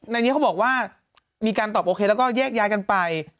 ในนี้เขาบอกว่ามีการตอบโอเคแล้วก็แยกย้ายกันไป